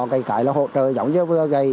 cái cái là hộ trợ giống như vừa gầy